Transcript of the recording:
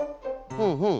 ふんふん。